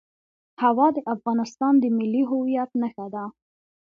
هوا د افغانستان د ملي هویت نښه ده.